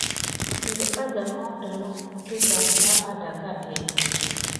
Desbarga makuata noko ɗegamɓa wusi aɗak é.